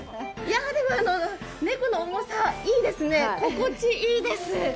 猫の重さ、いいですね、心地いいです。